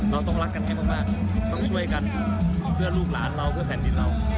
เราต้องรักกันให้มากต้องช่วยกันเพื่อลูกหลานเราเพื่อแผ่นดินเรา